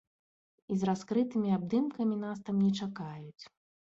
І з раскрытымі абдымкамі нас там не чакаюць.